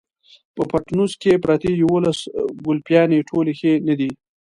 په پټنوس کې پرتې يوولس ګلپيانې ټولې ښې نه دي.